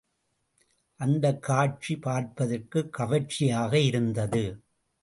அந்தக் காட்சி பார்ப்பதற்கு கவர்ச்சியாக இருந்தது.